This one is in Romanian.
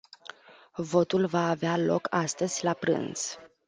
Votul va avea loc astăzi la prânz.